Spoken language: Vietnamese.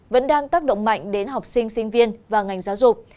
vẫn đang tác động mạnh đến học sinh sinh viên và ngành giáo dục